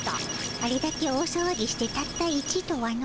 あれだけ大さわぎしてたった１とはの。